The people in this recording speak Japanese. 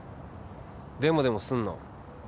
デモでもすんの？